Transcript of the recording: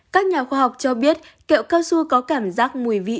các nhà khoa học cho biết kẹo cao su có cảm giác mùi vị